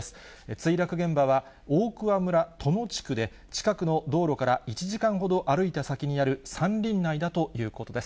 墜落現場は、大桑村殿地区で、近くの道路から１時間ほど歩いた先にある山林内だということです。